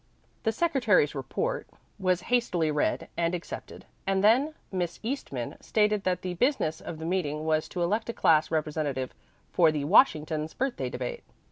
The secretary's report was hastily read and accepted, and then Miss Eastman stated that the business of the meeting was to elect a class representative for the Washington's Birthday debate.